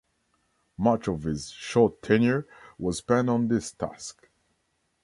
Much of his short tenure was spent on this task.